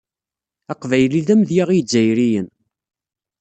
Aqbayli d amedya i yizzayriyen.